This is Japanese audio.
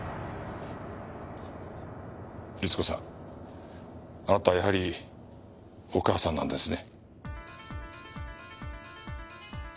律子さんあなたはやはりお母さんなんですね。